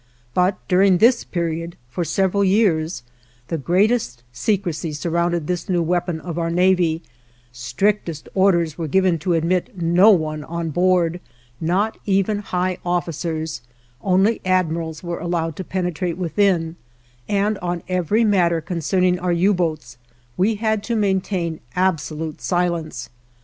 But during this period, for several years, the greatest secrecy surrounded this new weapon of our navy; strictest orders were given to admit no one on board, not even high officers; only admirals were allowed to penetrate within, and on every matter concerning our U boats we had to maintain absolute silence.